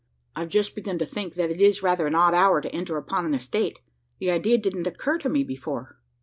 "I've just begun to think, that it is rather an odd hour to enter upon an estate. The idea didn't occur to me before."